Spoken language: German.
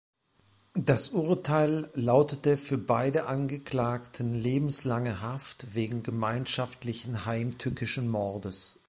Das Urteil lautete für beide Angeklagten lebenslange Haft wegen gemeinschaftlichen heimtückischen Mordes.